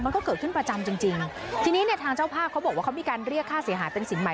มันก็เกิดขึ้นประจำจริงจริงทีนี้เนี่ยทางเจ้าภาพเขาบอกว่าเขามีการเรียกค่าเสียหายเป็นสินใหม่